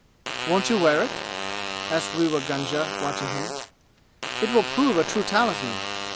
"Won't you wear it?" asked Rewa Gunga, watching him. "It will prove a true talisman!